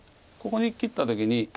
ここに切った時に。